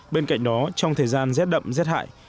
bên cạnh đó trong thời gian rét đậm rét hại